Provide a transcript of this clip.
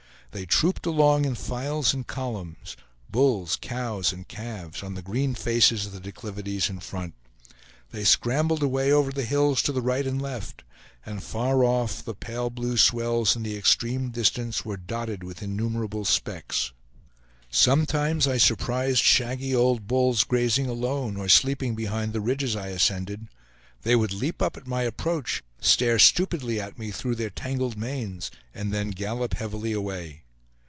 They trooped along in files and columns, bulls cows, and calves, on the green faces of the declivities in front. They scrambled away over the hills to the right and left; and far off, the pale blue swells in the extreme distance were dotted with innumerable specks. Sometimes I surprised shaggy old bulls grazing alone, or sleeping behind the ridges I ascended. They would leap up at my approach, stare stupidly at me through their tangled manes, and then gallop heavily away.